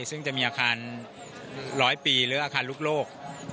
ซึ่งจะมีอาคาร๑๐๐ปีหรืออาคารลูกโลก